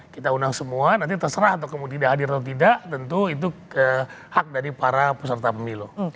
kita undang semua nanti terserah atau tidak hadir atau tidak tentu itu hak dari para peserta pemilu